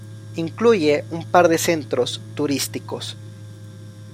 Incluye un par de centros turísticos.